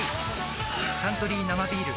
「サントリー生ビール」